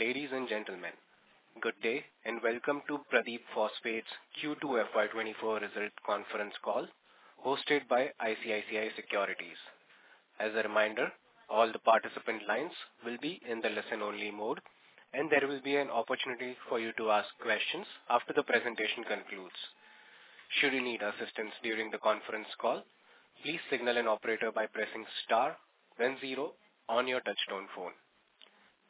Ladies and gentlemen, good day, and welcome to Paradeep Phosphates' Q2 FY24 result conference call, hosted by ICICI Securities. As a reminder, all the participant lines will be in the listen-only mode, and there will be an opportunity for you to ask questions after the presentation concludes. Should you need assistance during the conference call, please signal an operator by pressing star then zero on your touchtone phone.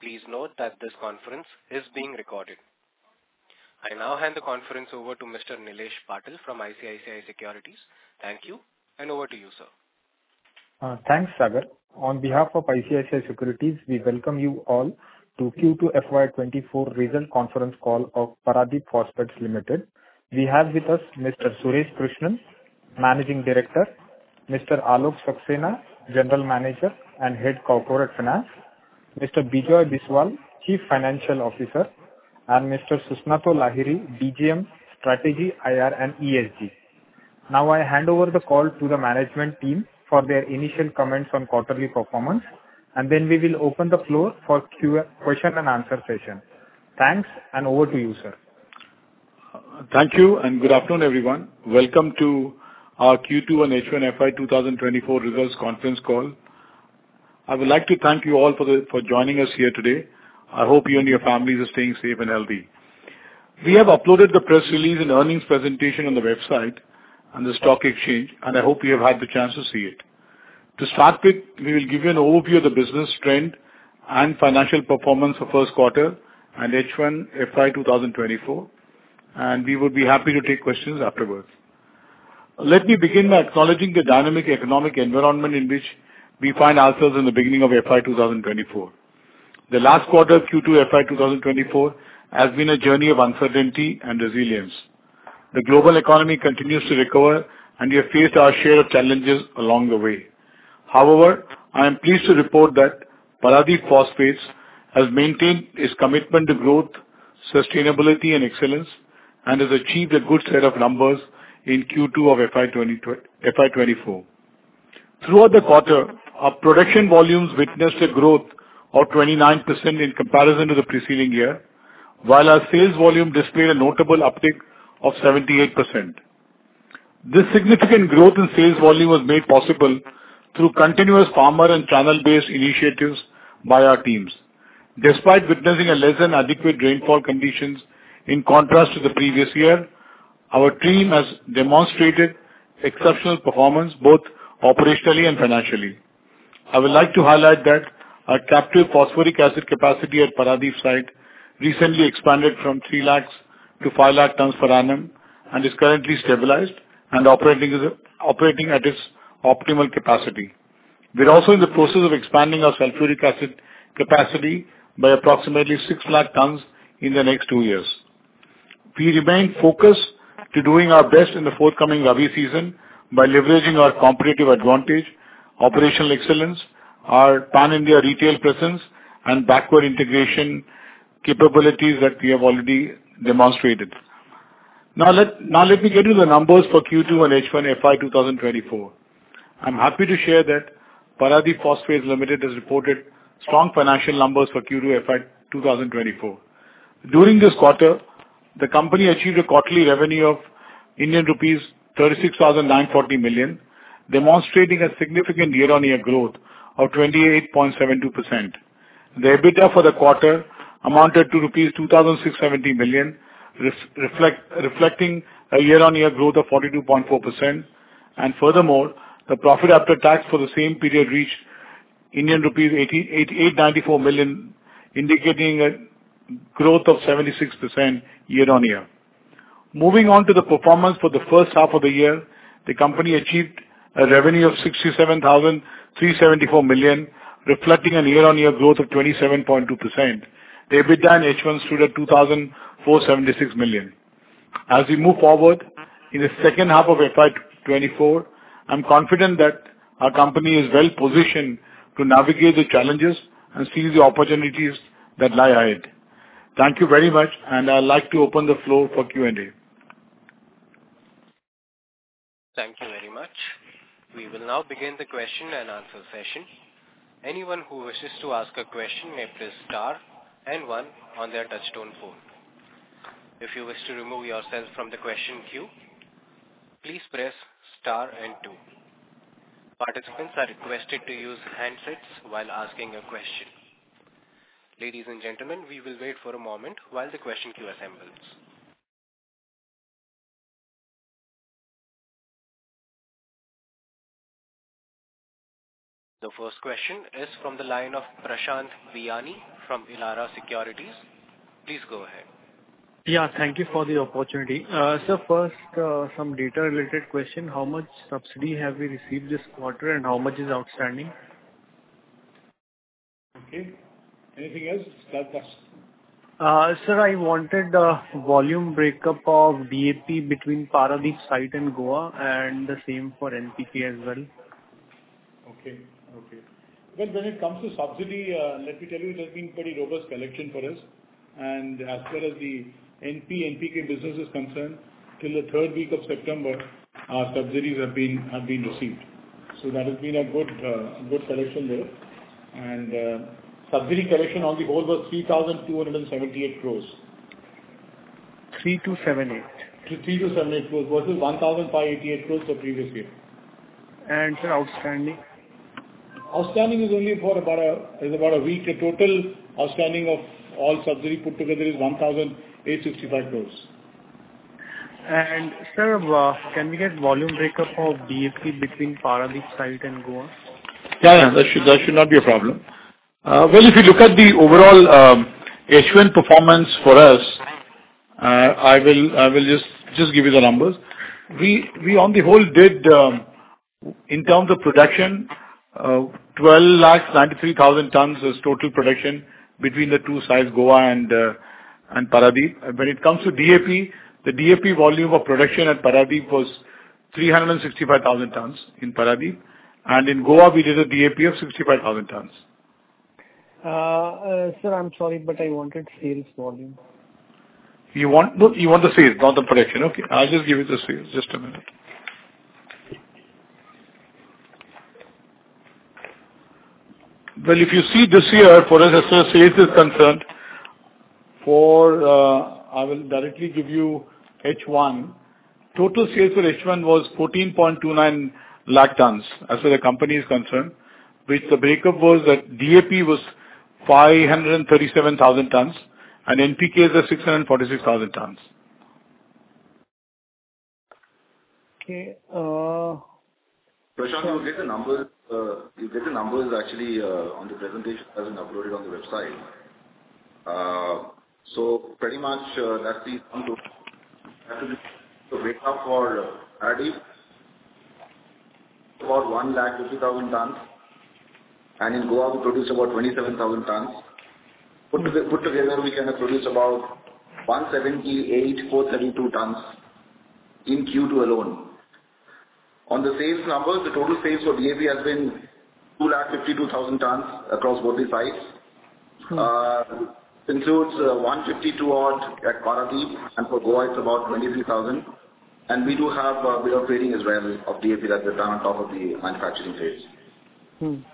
Please note that this conference is being recorded. I now hand the conference over to Mr. Nilesh Patil from ICICI Securities. Thank you, and over to you, sir. Thanks, Sagar. On behalf of ICICI Securities, we welcome you all to Q2 FY24 result conference call of Paradip Phosphates Limited. We have with us Mr. Suresh Krishnan, Managing Director, Mr. Alok Saxena, General Manager and Head of Corporate Finance, Mr. Bijoy Biswal, Chief Financial Officer, and Mr. Susnato Lahiri, DGM, Strategy, IR, and ESG. Now, I hand over the call to the management team for their initial comments on quarterly performance, and then we will open the floor for question and answer session. Thanks, and over to you, sir. Thank you and good afternoon, everyone. Welcome to our Q2 and H1 FY 2024 results conference call. I would like to thank you all for joining us here today. I hope you and your families are staying safe and healthy. We have uploaded the press release and earnings presentation on the website and the stock exchange, and I hope you have had the chance to see it. To start with, we will give you an overview of the business trend and financial performance for first quarter and H1 FY 2024, and we would be happy to take questions afterwards. Let me begin by acknowledging the dynamic economic environment in which we find ourselves in the beginning of FY 2024. The last quarter, Q2 FY 2024, has been a journey of uncertainty and resilience. The global economy continues to recover, and we have faced our share of challenges along the way. However, I am pleased to report that Paradip Phosphates has maintained its commitment to growth, sustainability, and excellence, and has achieved a good set of numbers in Q2 of FY 2024. Throughout the quarter, our production volumes witnessed a growth of 29% in comparison to the preceding year, while our sales volume displayed a notable uptick of 78%. This significant growth in sales volume was made possible through continuous farmer and channel-based initiatives by our teams. Despite witnessing a less than adequate rainfall conditions in contrast to the previous year, our team has demonstrated exceptional performance, both operationally and financially. I would like to highlight that our captive phosphoric acid capacity at Paradip site recently expanded from 3 lakh tons to 5 lakh tons per annum, and is currently stabilized and operating at its optimal capacity. We're also in the process of expanding our sulfuric acid capacity by approximately 6 lakh tons in the next 2 years. We remain focused to doing our best in the forthcoming Rabi season by leveraging our competitive advantage, operational excellence, our pan-India retail presence, and backward integration capabilities that we have already demonstrated. Now let me get you the numbers for Q2 and H1 FY 2024. I'm happy to share that Paradip Phosphates Limited has reported strong financial numbers for Q2 FY 2024. During this quarter, the company achieved a quarterly revenue of Indian rupees 36,940 million, demonstrating a significant year-on-year growth of 28.72%. The EBITDA for the quarter amounted to INR 2,670 million, reflecting a year-on-year growth of 42.4%. And furthermore, the profit after tax for the same period reached Indian rupees 888.94 million, indicating a growth of 76% year on year. Moving on to the performance for the first half of the year, the company achieved a revenue of 67,374 million, reflecting a year-on-year growth of 27.2%. The EBITDA in H1 stood at 2,476 million. As we move forward in the second half of FY 2024, I'm confident that our company is well positioned to navigate the challenges and seize the opportunities that lie ahead. Thank you very much, and I'd like to open the floor for Q&A. Thank you very much. We will now begin the question-and-answer session. Anyone who wishes to ask a question may press star and one on their touchtone phone. If you wish to remove yourself from the question queue, please press star and two. Participants are requested to use handsets while asking a question. Ladies and gentlemen, we will wait for a moment while the question queue assembles. The first question is from the line of Prashant Biyani from Elara Securities. Please go ahead. Yeah, thank you for the opportunity. So first, some data-related question. How much subsidy have we received this quarter, and how much is outstanding? Okay. Anything else? Third question. Sir, I wanted the volume breakup of DAP between Paradip site and Goa, and the same for NPK as well. Okay. Okay. Well, when it comes to subsidy, let me tell you, it has been pretty robust collection for us. And as far as the NP, NPK business is concerned, till the third week of September, our subsidies have been received. So that has been a good collection there. And subsidy collection on the whole was 3,278 crore. 3278. 3,278 crores versus 1,588 crores the previous year. Sir, outstanding? Outstanding is only for about a week. A total outstanding of all subsidy put together is 1,865 crore. Sir, can we get volume breakup for DAP between Paradip site and Goa? Yeah, yeah, that should, that should not be a problem. Well, if you look at the overall, H1 performance for us, I will just give you the numbers. We, on the whole, did, in terms of production, 1,293,000 tonnes was total production between the two sites, Goa and Paradip. When it comes to DAP, the DAP volume of production at Paradip was 365,000 tonnes in Paradip, and in Goa we did a DAP of 65,000 tonnes. Sir, I'm sorry, but I wanted sales volume. You want, you want the sales, not the production. Okay, I'll just give you the sales. Just a minute. Well, if you see this year, for as far as sales is concerned, for, I will directly give you H1. Total sales for H1 was 14.29 lakh tonnes, as far as the company is concerned, which the breakup was that DAP was 537,000 tonnes and NPK is at 646,000 tonnes. Okay, uh- Prashant, you will get the numbers, you'll get the numbers actually, on the presentation that has been uploaded on the website. So pretty much, that's the for Paradip, about 1,52,000 tons, and in Goa we produced about 27,000 tons. Put together, put together, we kind of produced about 1,78,432 tons in Q2 alone. On the sales numbers, the total sales for DAP has been 2,52,000 tons across both the sites. Includes 152,000 odd at Paradip, and for Goa, it's about 23,000. And we do have a bit of trading as well of DAP that we've done on top of the manufacturing sales.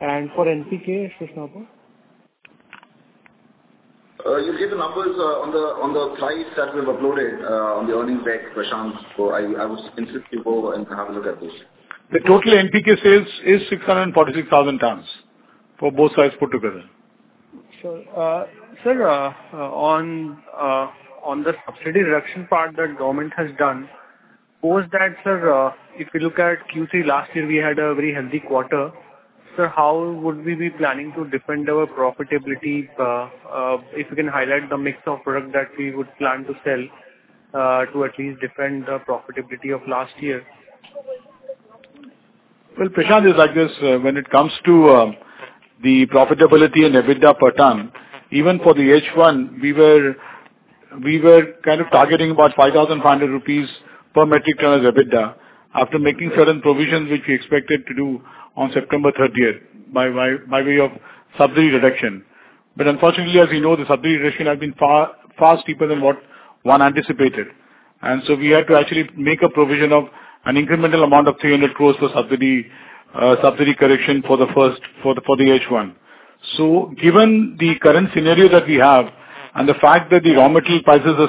And for NPK, sales number? You'll get the numbers on the slides that we have uploaded on the earnings deck, Prashant, so I would insist you go and have a look at this. The total NPK sales is 646,000 tons for both sides put together. So, sir, on the subsidy reduction part that government has done, post that, sir, if you look at Q3 last year, we had a very healthy quarter. Sir, how would we be planning to defend our profitability? If you can highlight the mix of products that we would plan to sell, to at least defend the profitability of last year. Well, Prashant, it's like this. When it comes to the profitability and EBITDA per tonne, even for the H1, we were kind of targeting about 5,500 rupees per metric tonne as EBITDA, after making certain provisions which we expected to do on September thirtieth, by way of subsidy reduction. But unfortunately, as you know, the subsidy reduction has been far, far steeper than what one anticipated. And so we had to actually make a provision of an incremental amount of 300 crores for subsidy correction for the H1. So given the current scenario that we have and the fact that the raw material prices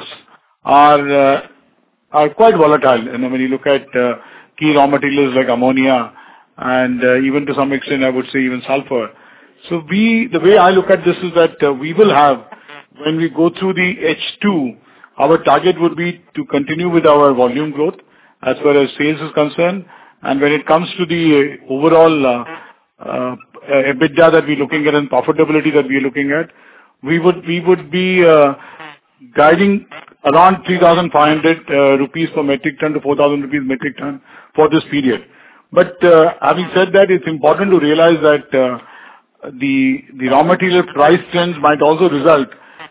are quite volatile, and when you look at key raw materials like ammonia and even to some extent, I would say even sulfur. So we—the way I look at this is that we will have, when we go through the H2, our target would be to continue with our volume growth as far as sales is concerned. And when it comes to the overall, EBITDA that we're looking at and profitability that we're looking at, we would, we would be, guiding around 3,500 rupees per metric tonne to 4,000 rupees per metric tonne for this period. But, having said that, it's important to realize that, the, the raw material price trends might also result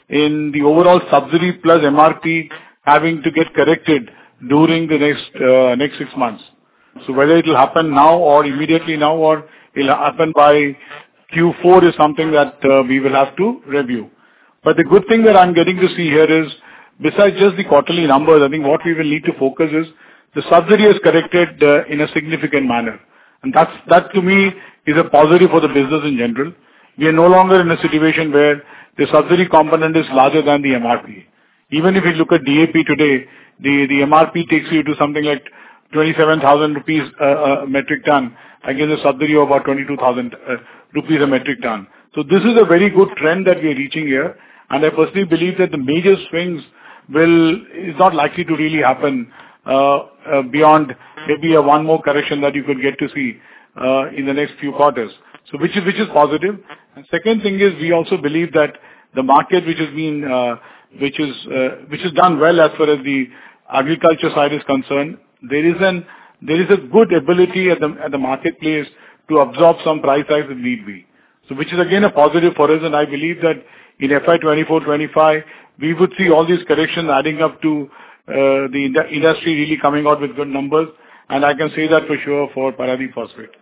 in the overall subsidy plus MRP having to get corrected during the next, next six months. So whether it will happen now or immediately now or it'll happen by Q4 is something that, we will have to review. But the good thing that I'm getting to see here is, besides just the quarterly numbers, I think what we will need to focus is the subsidy is corrected in a significant manner, and that's, that to me is a positive for the business in general. We are no longer in a situation where the subsidy component is larger than the MRP. Even if you look at DAP today, the MRP takes you to something like 27,000 rupees per metric tonne, against a subsidy of about 22,000 rupees per metric tonne. So this is a very good trend that we are reaching here, and I personally believe that the major swings will is not likely to really happen beyond maybe one more correction that you could get to see in the next few quarters. So which is positive. And second thing is, we also believe that the market, which has been, which is, which has done well as far as the agriculture side is concerned, there is a good ability at the marketplace to absorb some price hike if need be. So which is again, a positive for us, and I believe that in FY 24, 25, we would see all these corrections adding up to, the industry really coming out with good numbers, and I can say that for sure for Paradip Phosphates....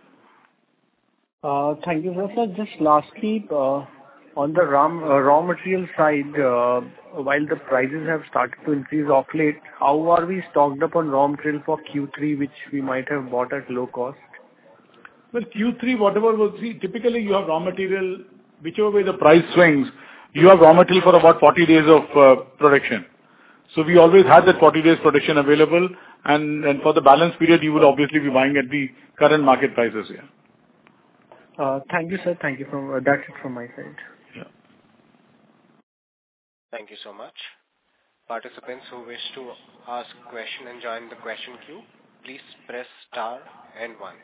Thank you, sir. Just lastly, on the RM, raw material side, while the prices have started to increase of late, how are we stocked up on raw material for Q3, which we might have bought at low cost? Well, Q3, whatever we'll see, typically, you have raw material, whichever way the price swings, you have raw material for about 40 days of production. So we always had that 40 days production available, and for the balance period, you would obviously be buying at the current market prices. Yeah. Thank you, sir. Thank you. That's it from my side. Yeah. Thank you so much. Participants who wish to ask question and join the question queue, please press star and one.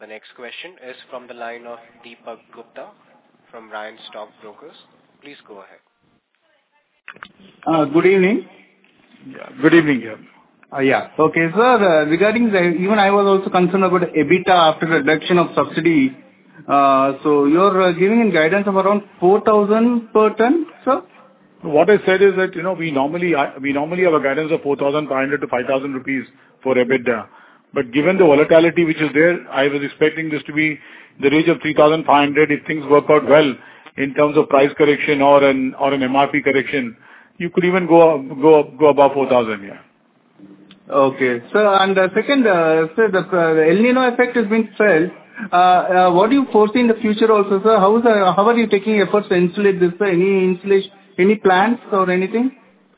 The next question is from the line of Deepak Gupta from Nayan Stockbrokers. Please go ahead. Good evening. Yeah. Good evening. Yeah. Yeah. Okay. Sir, regarding the, even I was also concerned about EBITDA after the reduction of subsidy. So you're giving a guidance of around 4,000 per ton, sir? What I said is that, you know, we normally have a guidance of 4,500-5,000 rupees for EBITDA. But given the volatility which is there, I was expecting this to be in the range of 3,500 if things work out well in terms of price correction or an MRP correction, you could even go up, go above 4,000, yeah. Okay. Sir, and second, sir, the El Niño effect has been felt. What do you foresee in the future also, sir? How is the... How are you taking efforts to insulate this, sir? Any insulation, any plans or anything?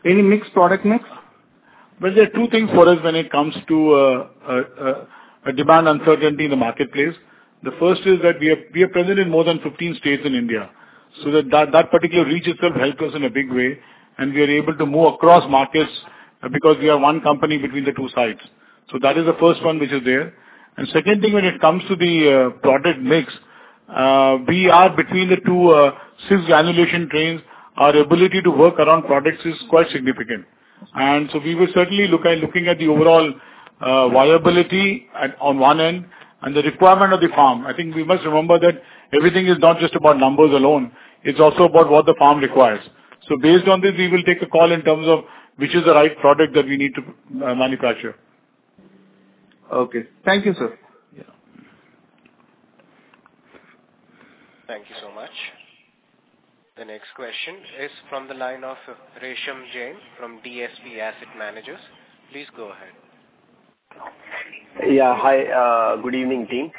Any mixed product mix? Well, there are two things for us when it comes to a demand uncertainty in the marketplace. The first is that we are present in more than 15 states in India, so that particular reach itself helped us in a big way, and we are able to move across markets because we are one company between the two sides. So that is the first one, which is there. And second thing, when it comes to the product mix, we are between the two, since granulation trains, our ability to work around products is quite significant. And so we will certainly look at looking at the overall viability at on one end and the requirement of the farm. I think we must remember that everything is not just about numbers alone, it's also about what the farm requires. So based on this, we will take a call in terms of which is the right product that we need to manufacture. Okay. Thank you, sir. Yeah. Thank you so much. The next question is from the line of Resham Jain, from DSP Asset Managers. Please go ahead. Yeah. Hi, good evening, team.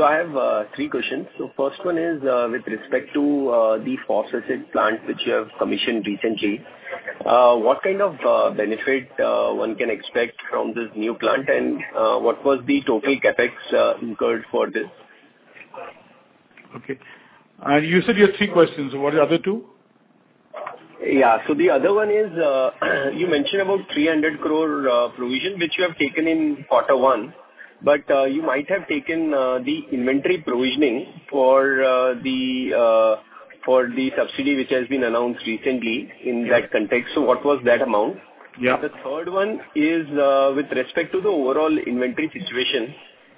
I have three questions. First one is, with respect to the phosphoric acid plant, which you have commissioned recently. What kind of benefit one can expect from this new plant? And, what was the total CapEx incurred for this? Okay. And you said you have three questions. What are the other two? Yeah. So the other one is, you mentioned about 300 crore provision, which you have taken in quarter one, but you might have taken the inventory provisioning for the subsidy, which has been announced recently in that context. Yeah. What was that amount? Yeah. The third one is, with respect to the overall inventory situation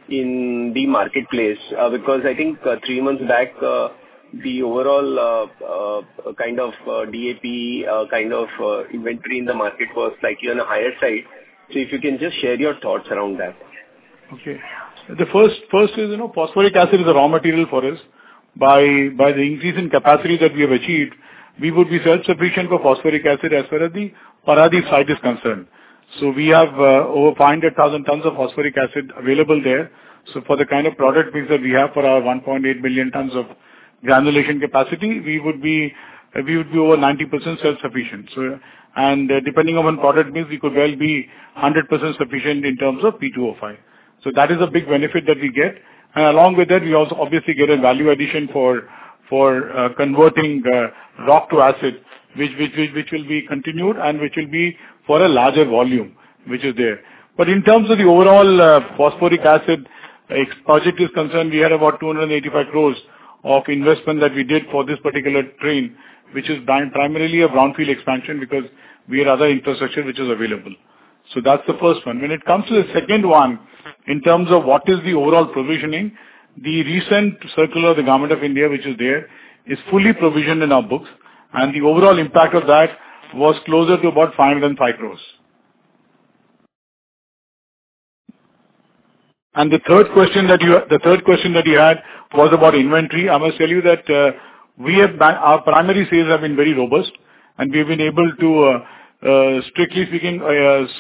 in the marketplace, because I think, three months back, the overall, kind of, DAP, kind of, inventory in the market was slightly on the higher side. So if you can just share your thoughts around that. Okay. The first, first is, you know, phosphoric acid is a raw material for us. By, by the increase in capacity that we have achieved, we would be self-sufficient for phosphoric acid as far as the Paradip site is concerned. So we have over 500,000 tons of phosphoric acid available there. So for the kind of product mix that we have for our 1.8 billion tons of granulation capacity, we would be, we would be over 90% self-sufficient. So... And depending upon product mix, we could well be 100% sufficient in terms of P2O5. So that is a big benefit that we get. And along with that, we also obviously get a value addition for converting rock to acid, which, which, which will be continued and which will be for a larger volume, which is there. But in terms of the overall, Phosphoric Acid project is concerned, we had about 285 crore of investment that we did for this particular train, which is primarily a Brownfield expansion, because we had other infrastructure which is available. So that's the first one. When it comes to the second one, in terms of what is the overall provisioning, the recent circular of the Government of India, which is there, is fully provisioned in our books, and the overall impact of that was closer to about 505 crore. And the third question that you, the third question that you had was about inventory. I must tell you that our primary sales have been very robust, and we've been able to, strictly speaking,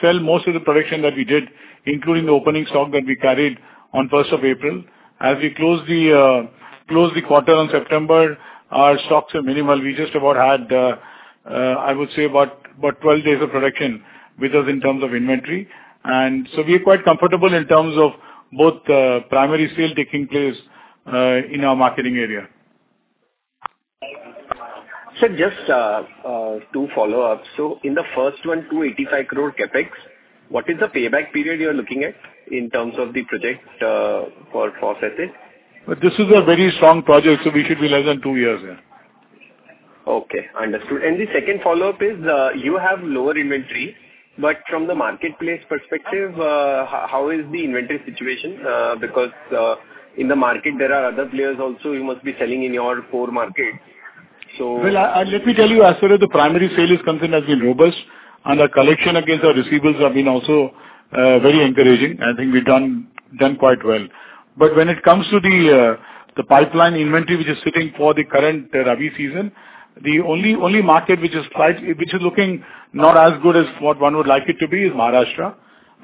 sell most of the production that we did, including the opening stock that we carried on first of April. As we close the quarter on September, our stocks are minimal. We just about had, I would say, about 12 days of production with us in terms of inventory. And so we're quite comfortable in terms of both primary sales taking place in our marketing area. Sir, just two follow-ups. So in the first one, 285 crore CapEx, what is the payback period you are looking at in terms of the project for phosphoric acid? This is a very strong project, so we should be less than 2 years, yeah. Okay, understood. And the second follow-up is, you have lower inventory, but from the marketplace perspective, how is the inventory situation? Because, in the market, there are other players also. You must be selling in your core markets. ... Well, I, and let me tell you, as far as the primary sale is concerned, has been robust, and our collection against our receivables have been also, very encouraging. I think we've done quite well. But when it comes to the pipeline inventory, which is sitting for the current Rabi season, the only market which is quite—which is looking not as good as what one would like it to be is Maharashtra.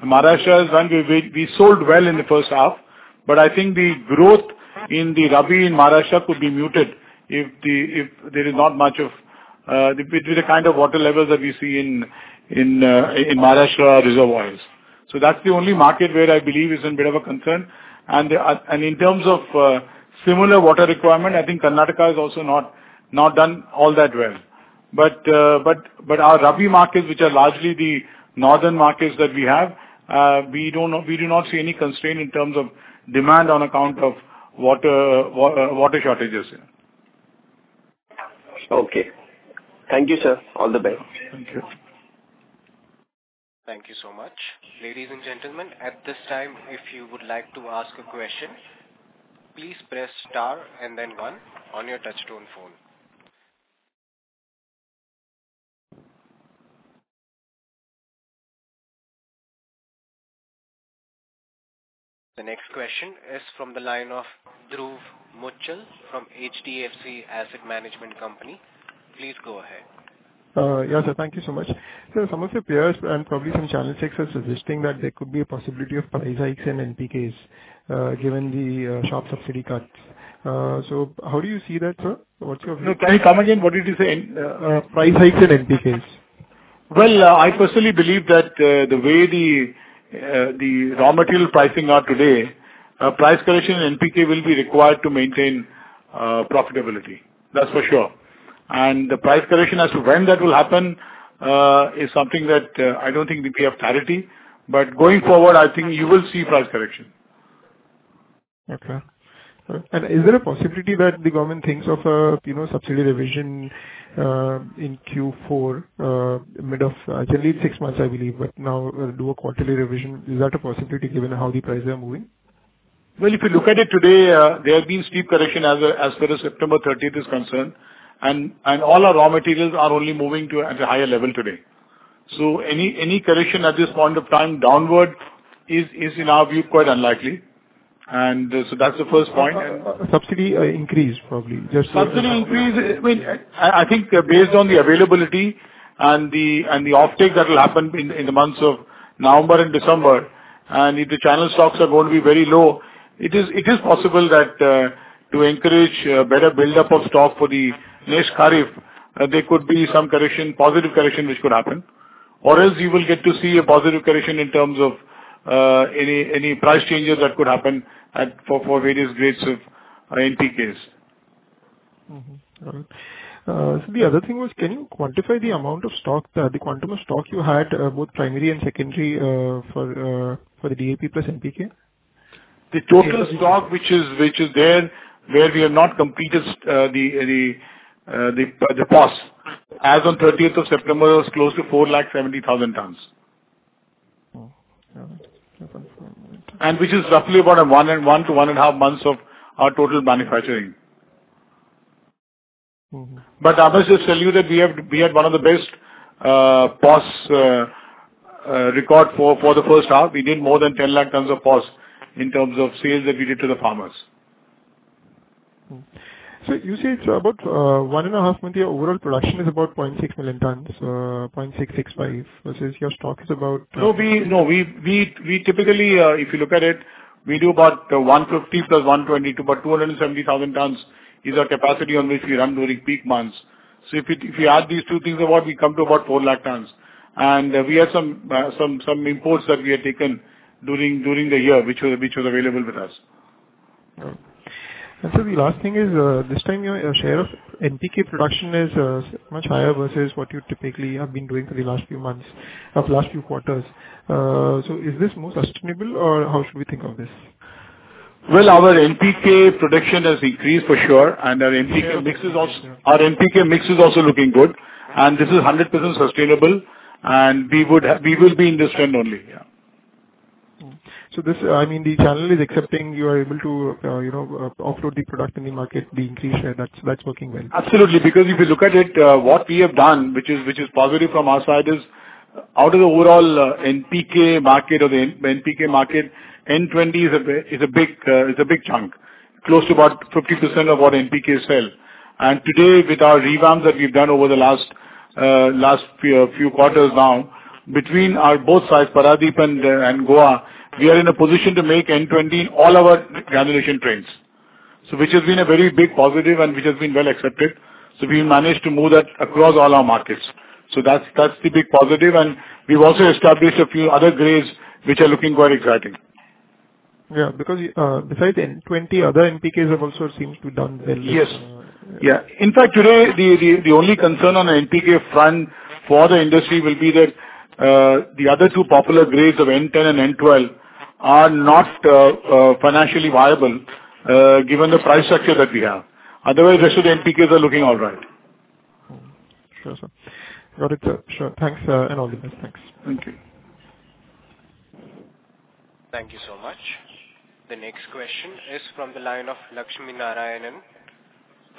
Maharashtra is one. We sold well in the first half, but I think the growth in the Rabi in Maharashtra could be muted if there is not much of the kind of water levels that we see in Maharashtra reservoirs. So that's the only market where I believe is in a bit of a concern. in terms of similar water requirement, I think Karnataka is also not done all that well. But our rabi markets, which are largely the northern markets that we have, we do not see any constraint in terms of demand on account of water shortages. Okay. Thank you, sir. All the best. Thank you. Thank you so much. Ladies and gentlemen, at this time, if you would like to ask a question, please press star and then one on your touchtone phone. The next question is from the line of Dhruv Muchhal from HDFC Asset Management Company. Please go ahead. Yes, sir. Thank you so much. Sir, some of your peers and probably some channel checks are suggesting that there could be a possibility of price hikes in NPKs, given the sharp subsidy cuts. So how do you see that, sir? What's your view? No, can you come again? What did you say? N- price hikes in NPKs. Well, I personally believe that, the way the, the raw material pricing are today, price correction in NPK will be required to maintain, profitability. That's for sure. And the price correction as to when that will happen, is something that, I don't think we be of clarity, but going forward, I think you will see price correction. Okay. And is there a possibility that the government thinks of a, you know, subsidy revision in Q4, mid of generally six months, I believe, but now we'll do a quarterly revision? Is that a possibility given how the prices are moving? Well, if you look at it today, there have been steep correction as far as September thirtieth is concerned, and all our raw materials are only moving to at a higher level today. So any correction at this point of time downward is in our view, quite unlikely. And so that's the first point. Subsidy increase, probably. Subsidy increase, I mean, I think based on the availability and the uptake that will happen in the months of November and December, and if the channel stocks are going to be very low, it is possible that to encourage better buildup of stock for the next Kharif, there could be some correction, positive correction, which could happen. Or else you will get to see a positive correction in terms of any price changes that could happen for various grades of NPKs. Mm-hmm. All right. So the other thing was, can you quantify the amount of stock, the quantum of stock you had, both primary and secondary, for the DAP plus NPK? The total stock which is there, where we have not completed the POS, as on thirteenth of September, was close to 470,000 tons. Oh, yeah. which is roughly about a 1 and 1 to 1 and a half months of our total manufacturing. Mm-hmm. I must just tell you that we have, we had one of the best POS record for the first half. We did more than 10 lakh tons of POS in terms of sales that we did to the farmers. So you say it's about 1.5 month, your overall production is about 0.6 million tons, 0.665, versus your stock is about- No, we typically, if you look at it, we do about 150 + 120 to about 270,000 tons, which is our capacity on which we run during peak months. So if you add these two things about, we come to about 400,000 tons. And we had some imports that we had taken during the year, which was available with us. And so the last thing is, this time your, your share of NPK production is, much higher versus what you typically have been doing for the last few months, or the last few quarters. So is this more sustainable or how should we think of this? Well, our NPK production has increased for sure, and our NPK mix is also- Yeah. Our NPK mix is also looking good, and this is 100% sustainable, and we would have, we will be in this trend only, yeah. So this, I mean, the channel is accepting, you are able to, you know, offload the product in the market, the increase, and that's, that's working well? Absolutely. Because if you look at it, what we have done, which is positive from our side, is out of the overall NPK market or the NPK market, N-20 is a big chunk, close to about 50% of what NPK sell. And today, with our revamps that we've done over the last few quarters now, between our both sides, Paradip and Goa, we are in a position to make N-20 all our granulation trends. So which has been a very big positive and which has been well accepted. So we managed to move that across all our markets. So that's the big positive, and we've also established a few other grades which are looking very exciting. Yeah, because, besides N-20, other NPKs have also seemed to be done well. Yes. Yeah. In fact, today, the only concern on the NPK front for the industry will be that the other two popular grades of N-10 and N-12 are not financially viable, given the price structure that we have. Otherwise, the rest of the NPKs are looking all right. Sure, sir. Got it, sir. Sure. Thanks, and all the best. Thanks. Thank you.... Thank you so much. The next question is from the line of Lakshmi Narayanan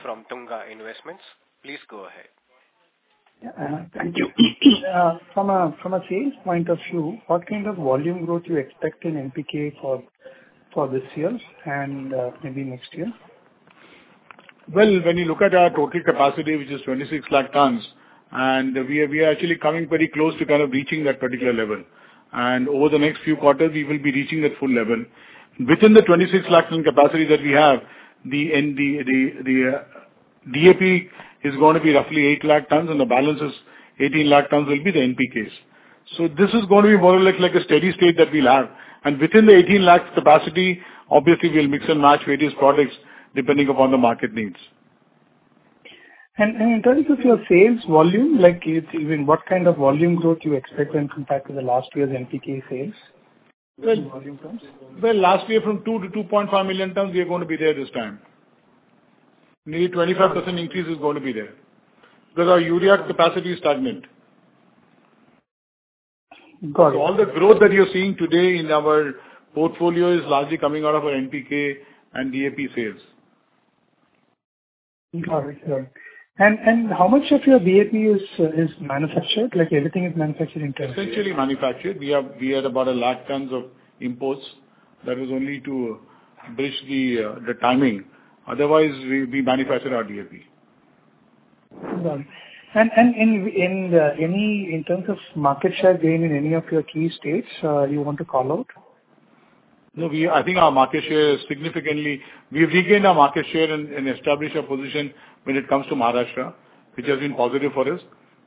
from Tunga Investments. Please go ahead. Yeah, thank you. From a sales point of view, what kind of volume growth you expect in NPK for this year and maybe next year? Well, when you look at our total capacity, which is 26 lakh tons, and we are, we are actually coming very close to kind of reaching that particular level. Over the next few quarters, we will be reaching that full level. Within the 26 lakh ton capacity that we have, the DAP is going to be roughly 8 lakh tons, and the balance is 18 lakh tons will be the NPKs. So this is going to be more like, like a steady state that we'll have. Within the 18 lakhs capacity, obviously, we'll mix and match various products depending upon the market needs. And in terms of your sales volume, like it's even what kind of volume growth you expect when compared to last year's NPK sales in volume terms? Well, last year from 2-2.5 million tons, we are going to be there this time. Nearly 25% increase is going to be there because our urea capacity is stagnant. Got it. So all the growth that you're seeing today in our portfolio is largely coming out of our NPK and DAP sales. Got it. And how much of your DAP is manufactured? Like, everything is manufactured in-house. Essentially manufactured. We have, we had about 100,000 tons of imports. That was only to bridge the timing. Otherwise, we, we manufacture our DAP. Got it. And in terms of market share gain in any of your key states, you want to call out? No, we... I think our market share is significantly - we've regained our market share and established a position when it comes to Maharashtra, which has been positive for us.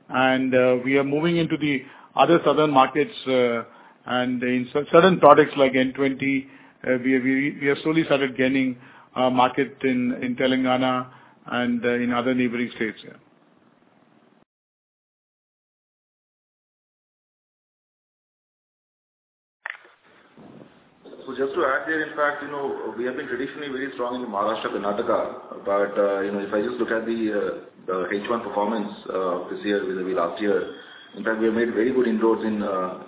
And, we are moving into the other southern markets, and in certain products like N-20, we have slowly started gaining market in Telangana and in other neighboring states, yeah. So just to add there, in fact, you know, we have been traditionally very strong in Maharashtra, Karnataka. But, you know, if I just look at the H1 performance this year with the last year, in fact, we have made very good inroads in,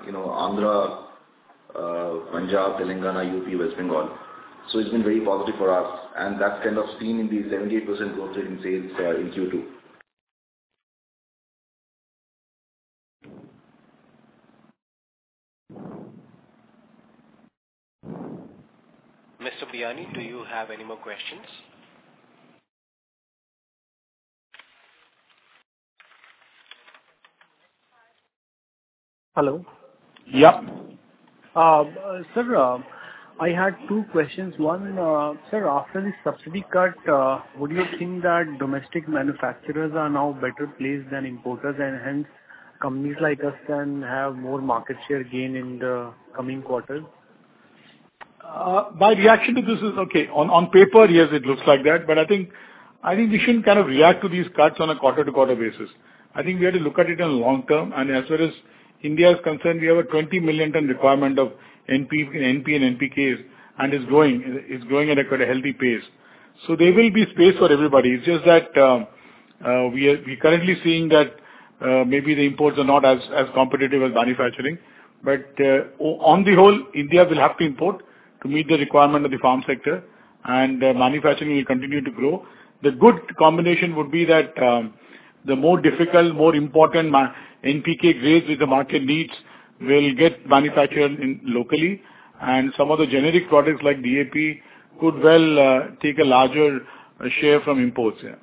you know, Andhra, Punjab, Telangana, UP, West Bengal. So it's been very positive for us, and that's kind of seen in the 78% growth rate in sales in Q2. Mr. Biyani, do you have any more questions? Hello? Yeah. Sir, I had two questions. One, sir, after the subsidy cut, would you think that domestic manufacturers are now better placed than importers, and hence, companies like us can have more market share gain in the coming quarters? My reaction to this is, okay, on paper, yes, it looks like that, but I think, I think we shouldn't kind of react to these cuts on a quarter-to-quarter basis. I think we have to look at it on long term. And as far as India is concerned, we have a 20 million ton requirement of NP, NP and NPKs, and it's growing, it's growing at quite a healthy pace. So there will be space for everybody. It's just that, we're currently seeing that, maybe the imports are not as competitive as manufacturing. But on the whole, India will have to import to meet the requirement of the farm sector, and manufacturing will continue to grow. The good combination would be that, the more difficult, more important NPK grades that the market needs will get manufactured in locally, and some of the generic products like DAP could well, take a larger share from imports. Yeah.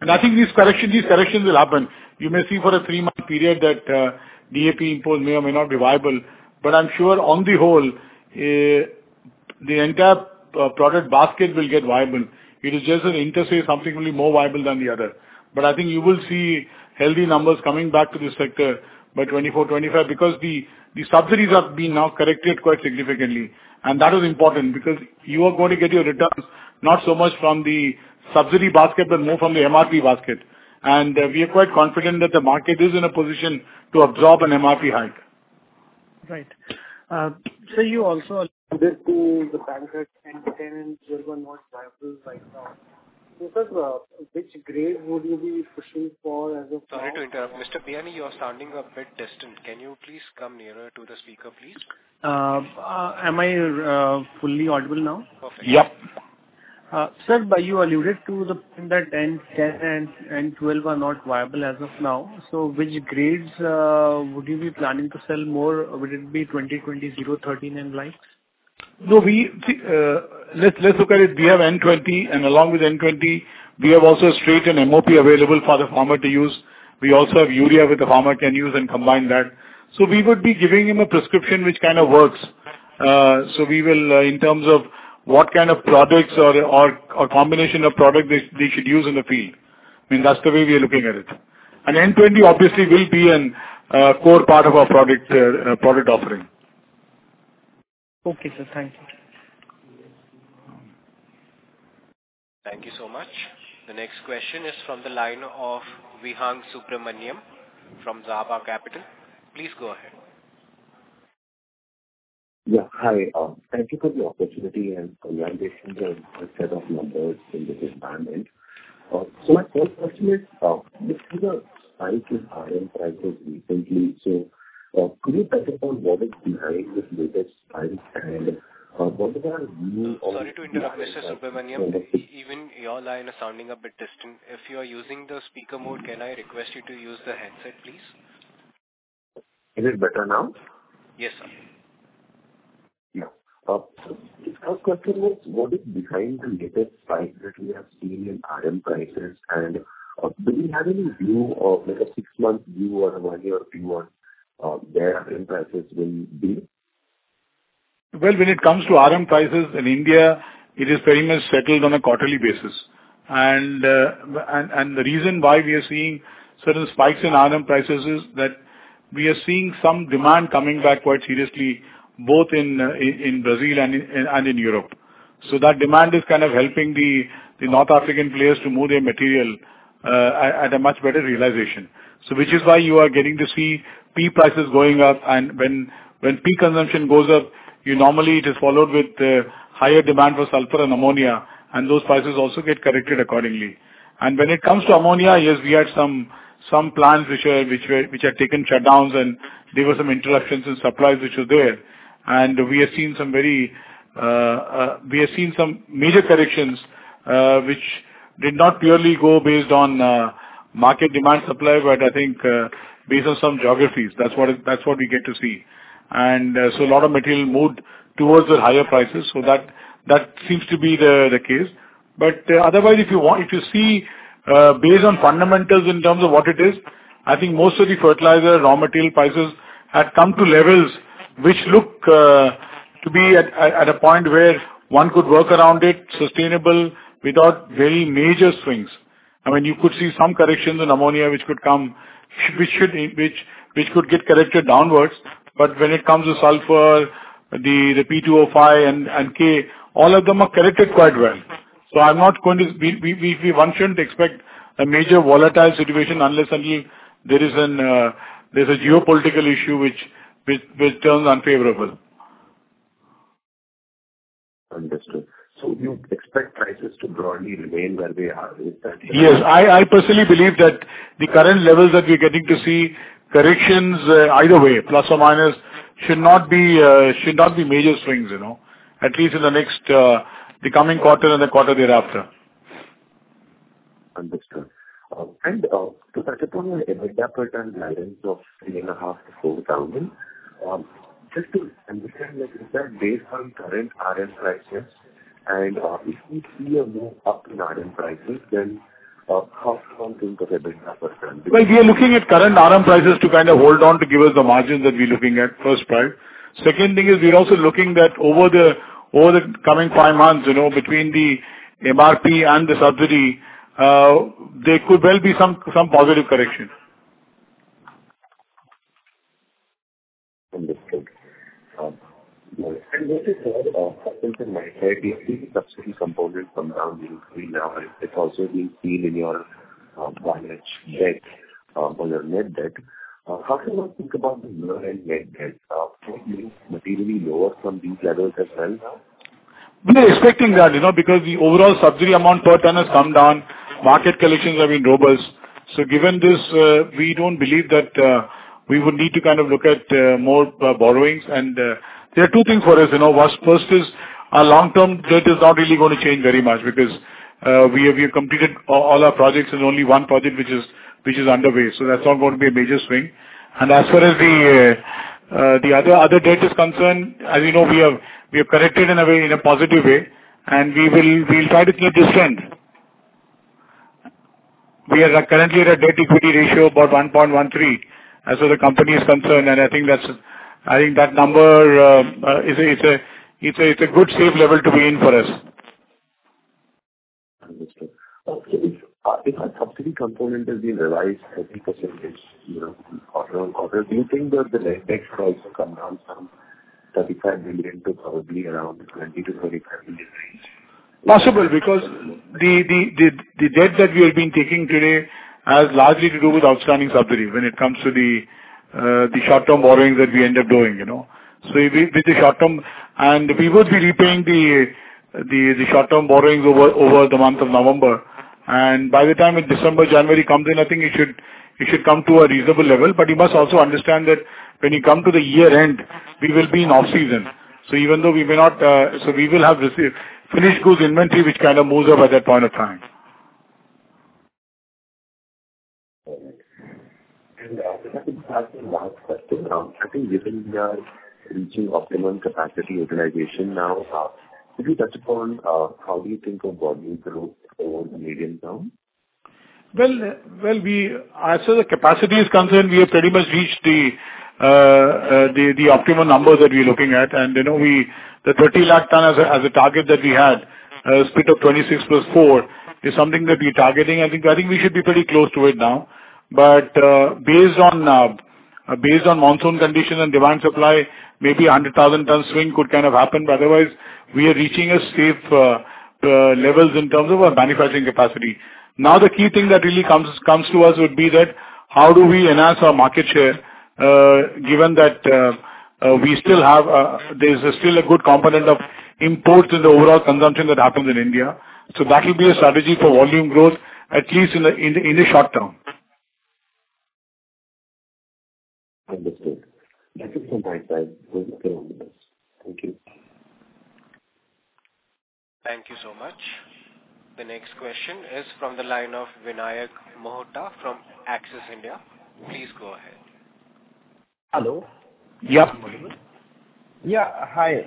And I think these corrections will happen. You may see for a 3-month period that, DAP imports may or may not be viable, but I'm sure on the whole, the entire product basket will get viable. It is just an inter se, something will be more viable than the other. But I think you will see healthy numbers coming back to this sector by 2024, 2025, because the subsidies have been now corrected quite significantly. And that is important because you are going to get your returns, not so much from the subsidy basket, but more from the MRP basket. We are quite confident that the market is in a position to absorb an MRP hike. Right. So you also alluded to the fact that N-10, 12 are not viable right now. Because, which grade would you be pushing for as of now? Sorry to interrupt. Mr. Biyani, you are sounding a bit distant. Can you please come nearer to the speaker, please? Am I fully audible now? Perfect. Yeah. Sir, but you alluded to the point that N-10 and 12 are not viable as of now. So which grades would you be planning to sell more? Would it be 20:20:0:13 and likes? No, we, let's, let's look at it. We have N-20, and along with N-20, we have also a straight and MOP available for the farmer to use. We also have urea, which the farmer can use and combine that. So we would be giving him a prescription which kind of works. So we will, in terms of what kind of products or, or, combination of product they should use in the field. I mean, that's the way we are looking at it. And N-20 obviously will be an core part of our product, product offering. Okay, sir. Thank you. Thank you so much. The next question is from the line of Vihang Subramanian from Alchemy Capital. Please go ahead. Yeah, hi. Thank you for the opportunity and congratulations on the set of numbers in this time end.... So my first question is, just give a spike in RM prices recently. So, can you touch upon what is behind this latest spike and, what is our view on- Sorry to interrupt, Mr. Subramanian. Even your line is sounding a bit distant. If you are using the speaker mode, can I request you to use the headset, please? Is it better now? Yes, sir. Yeah. So the first question was, what is behind the latest spike that we have seen in RM prices? And, do we have any view or like a six-month view or a one-year view on, where RM prices will be? Well, when it comes to RM prices in India, it is very much settled on a quarterly basis. And the reason why we are seeing certain spikes in RM prices is that we are seeing some demand coming back quite seriously, both in Brazil and in Europe. So that demand is kind of helping the North African players to move their material at a much better realization. So which is why you are getting to see P prices going up, and when P consumption goes up, you normally it is followed with higher demand for sulfur and ammonia, and those prices also get corrected accordingly. And when it comes to ammonia, yes, we had some plants which had taken shutdowns, and there were some interruptions in supplies which were there. We have seen some major corrections, which did not purely go based on market demand supply, but I think, based on some geographies. That's what it, that's what we get to see. And, so a lot of material moved towards the higher prices, so that, that seems to be the, the case. But, otherwise, if you want, if you see, based on fundamentals in terms of what it is, I think most of the fertilizer raw material prices have come to levels which look to be at a point where one could work around it, sustainable, without very major swings. I mean, you could see some corrections in ammonia, which could come, which should, which could get corrected downwards. But when it comes to sulfur, the P2O5 and K, all of them are corrected quite well. So I'm not going to... One shouldn't expect a major volatile situation unless suddenly there is a geopolitical issue which turns unfavorable. Understood. So you expect prices to broadly remain where they are with that? Yes. I personally believe that the current levels that we're getting to see, corrections, either way, plus or minus, should not be, should not be major swings, you know? At least in the next, the coming quarter and the quarter thereafter. Understood. And to touch upon your EBITDA per ton guidance of 3,500-4,000, just to understand, like you said, based on current RM prices, and if we see a move up in RM prices, then how do you think of EBITDA per ton? Well, we are looking at current RM prices to kind of hold on to give us the margins that we're looking at, first part. Second thing is we are also looking that over the coming five months, you know, between the MRP and the subsidy, there could well be some positive corrections. Understood. And just a thought, in my head, we have seen the subsidy component come down significantly now, and it's also been seen in your, balance sheet, on your net debt. How can one think about the net debt, probably materially lower from these levels as well now? We are expecting that, you know, because the overall subsidy amount per ton has come down, market collections have been robust. So given this, we don't believe that we would need to kind of look at more borrowings. And there are two things for us, you know. First, first is our long-term debt is not really going to change very much because we have completed all our projects. There's only one project which is underway, so that's not going to be a major swing. And as far as the other debt is concerned, as you know, we have corrected in a way, in a positive way, and we'll try to keep this trend. We are currently at a debt-to-equity ratio of about 1.13, as where the company is concerned, and I think that number is a good safe level to be in for us. Understood. Okay. If our subsidy component has been revised every percentage, you know, quarter on quarter, do you think that the net debt could also come down from 35 billion to probably around 20 billion-25 billion range? Possible, because the debt that we have been taking today has largely to do with outstanding subsidy when it comes to the short-term borrowings that we end up doing, you know. So with short term. And we would be repaying the short-term borrowings over the month of November. And by the time December, January comes in, I think it should come to a reasonable level. But you must also understand that when you come to the year-end, we will be in off-season. So even though we may not, so we will have received finished goods inventory, which kind of moves up at that point of time. Perhaps the last question now. I think given we are reaching optimum capacity utilization now, could you touch upon how do you think of volume growth over the medium term? Well, well, we, as far as the capacity is concerned, we have pretty much reached the, the optimum numbers that we're looking at. And you know, we- the 30 lakh ton as a, as a target that we had, split of 26 + 4, is something that we're targeting. I think, I think we should be pretty close to it now. But, based on, based on monsoon conditions and demand supply, maybe a 100,000 ton swing could kind of happen. But otherwise, we are reaching a safe, levels in terms of our manufacturing capacity. Now, the key thing that really comes to us would be that, how do we enhance our market share? Given that, we still have, there's still a good component of imports in the overall consumption that happens in India. So that will be a strategy for volume growth, at least in the short term. Understood. That is some right side. Thank you. Thank you so much. The next question is from the line of Vinayak Mohta from Stallion Asset. Please go ahead. Hello. Yeah. Yeah, hi.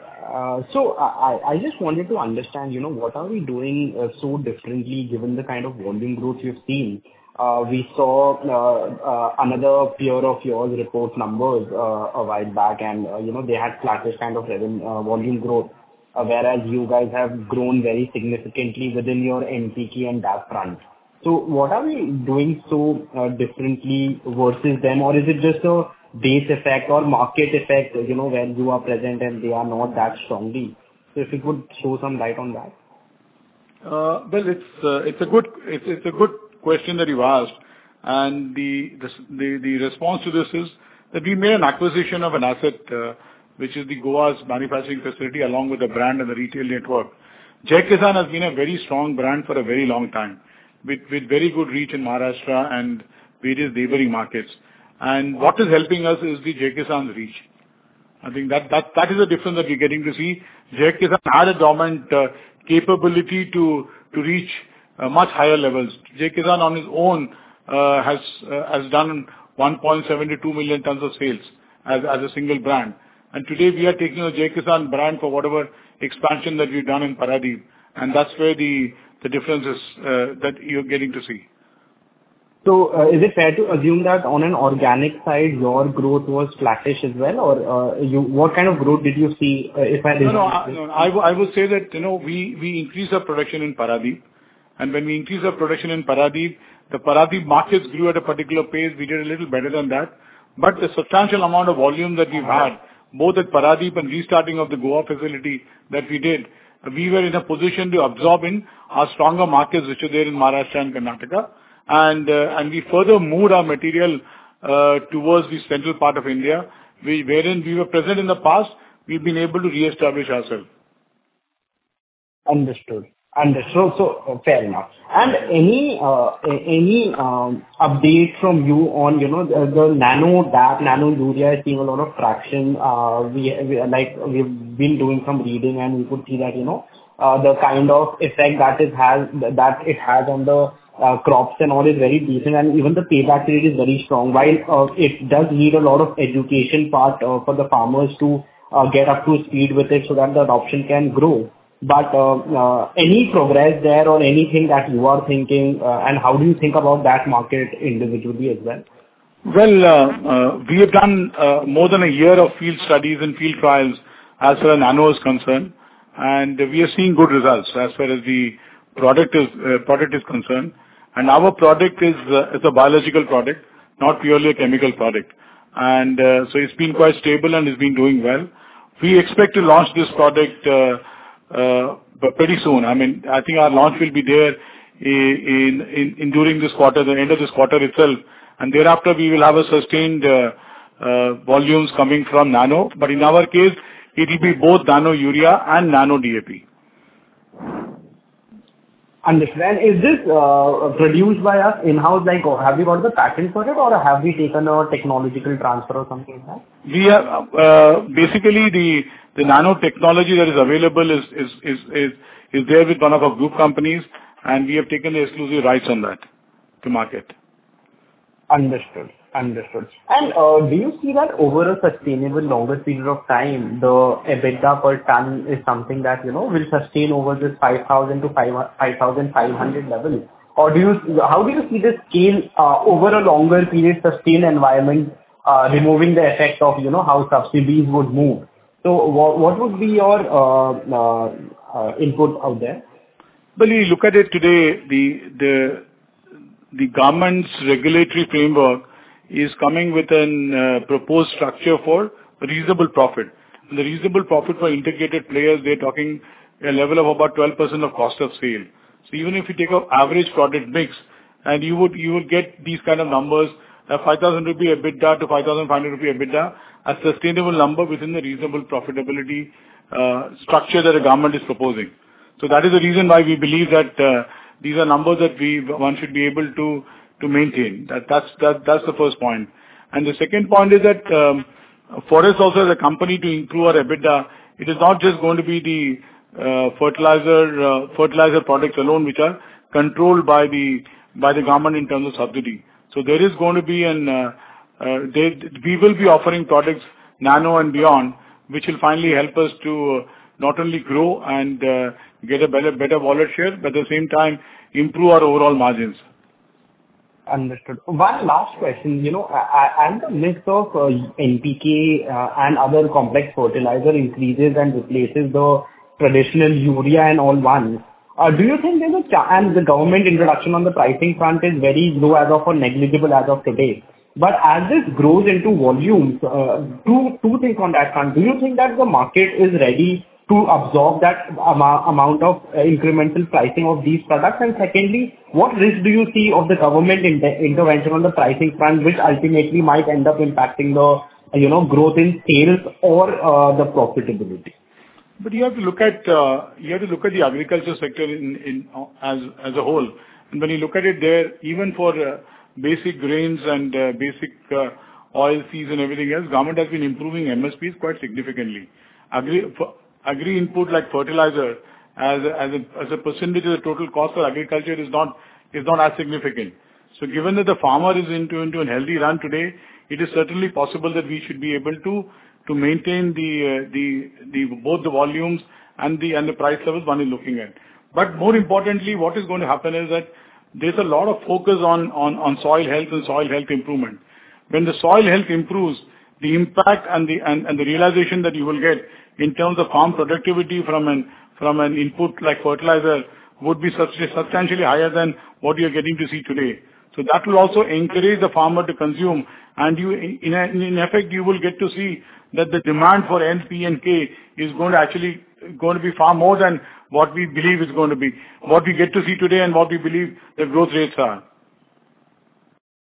So I just wanted to understand, you know, what are we doing so differently given the kind of volume growth you've seen? We saw another peer of yours report numbers a while back, and, you know, they had flattish kind of revenue volume growth, whereas you guys have grown very significantly within your NPK and DAP front. So what are we doing so differently versus them? Or is it just a base effect or market effect, you know, where you are present and they are not that strongly? So if you could show some light on that. Well, it's a good question that you asked. And the response to this is that we made an acquisition of an asset, which is the Goa's manufacturing facility, along with the brand and the retail network. Jai Kisaan has been a very strong brand for a very long time, with very good reach in Maharashtra and various neighboring markets. And what is helping us is the Jai Kisaan reach. I think that is the difference that we're getting to see. Jai Kisaan had a dormant capability to reach much higher levels. Jai Kisaan, on his own, has done 1.72 million tons of sales as a single brand. Today we are taking the Jai Kisaan brand for whatever expansion that we've done in Paradip, and that's where the difference is, that you're getting to see. So, is it fair to assume that on an organic side, your growth was flattish as well? Or, you -- what kind of growth did you see, if I did- No, I would say that, you know, we increased our production in Paradip. And when we increased our production in Paradip, the Paradip markets grew at a particular pace. We did a little better than that. But the substantial amount of volume that we've had, both at Paradip and restarting of the Goa facility that we did, we were in a position to absorb in our stronger markets, which are there in Maharashtra and Karnataka. And we further moved our material towards the central part of India, wherein we were present in the past, we've been able to reestablish ourselves. Understood. Understood. So fair enough. And any update from you on, you know, the Nano DAP, Nano Urea is seeing a lot of traction. We, like, we've been doing some reading, and we could see that, you know, the kind of effect that it has, that it has on the crops and all, is very decent, and even the pay back rate is very strong. While it does need a lot of education part for the farmers to get up to speed with it so that the adoption can grow. But any progress there or anything that you are thinking, and how do you think about that market individually as well? Well, we have done more than a year of field studies and field trials as far as Nano is concerned, and we are seeing good results as far as the product is, product is concerned. And so it's been quite stable and it's been doing well. We expect to launch this product pretty soon. I mean, I think our launch will be there in during this quarter, the end of this quarter itself. And thereafter, we will have a sustained volumes coming from Nano. But in our case, it will be both Nano Urea and Nano DAP. Understood. Is this produced by us in-house, like, or have you got the patent for it, or have we taken a technology transfer or something like that? Basically, the nanotechnology that is available is there with one of our group companies, and we have taken the exclusive rights on that to market. Understood. Understood. And, do you see that over a sustainable longer period of time, the EBITDA per ton is something that, you know, will sustain over this 5,000-5,500 levels? Or do you how do you see the scale, over a longer period, sustained environment, removing the effect of, you know, how subsidies would move? So what would be your input out there? Well, you look at it today, the government's regulatory framework is coming with a proposed structure for reasonable profit. The reasonable profit for integrated players, we are talking a level of about 12% of cost of sale. So even if you take our average product mix and you would get these kind of numbers, an 5,000 rupee EBITDA-INR 5,500 EBITDA, a sustainable number within the reasonable profitability structure that the government is proposing. So that is the reason why we believe that these are numbers that one should be able to maintain. That's the first point. The second point is that, for us also as a company to improve our EBITDA, it is not just going to be the, fertilizer, fertilizer products alone, which are controlled by the, by the government in terms of subsidy. So there is going to be, we will be offering products, Nano and beyond, which will finally help us to not only grow and get a better, better wallet share, but at the same time improve our overall margins. Understood. One last question. You know, as the mix of NPK and other complex fertilizer increases and replaces the traditional urea and all ones, do you think there's a change and the government intervention on the pricing front is very low as of, or negligible as of today. But as this grows into volumes, two things on that front: Do you think that the market is ready to absorb that amount of incremental pricing of these products? And secondly, what risk do you see of the government intervention on the pricing front, which ultimately might end up impacting the, you know, growth in sales or the profitability?... But you have to look at, you have to look at the agriculture sector in, in, as, as a whole. And when you look at it there, even for basic grains and basic oil seeds and everything else, government has been improving MSPs quite significantly. For agri input like fertilizer, as a percentage of the total cost for agriculture is not as significant. So given that the farmer is into a healthy run today, it is certainly possible that we should be able to maintain both the volumes and the price levels one is looking at. But more importantly, what is going to happen is that there's a lot of focus on soil health and soil health improvement. When the soil health improves, the impact and the realization that you will get in terms of farm productivity from an input like fertilizer would be substantially higher than what you're getting to see today. So that will also encourage the farmer to consume. And you, in effect, you will get to see that the demand for N, P, and K is going to actually be far more than what we believe it's going to be, what we get to see today and what we believe the growth rates are.